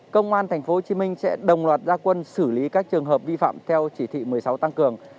công an thành phố hồ chí minh sẽ đồng loạt gia quân xử lý các trường hợp vi phạm theo chỉ thị một mươi sáu tăng cường